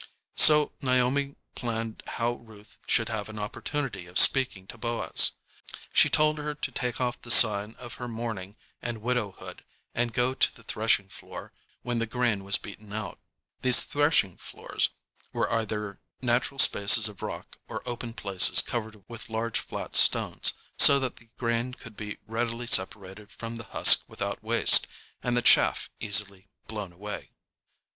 So Naomi planned how Ruth should have an opportunity of speaking to Boaz. She told her to take off the sign of her mourning and widowhood, and go to the threshing floor when the grain was beaten out. These threshing floors were either natural spaces of rock, or open places covered with large flat stones, so that the grain could be readily separated from the husk without waste, and the chaff easily blown away.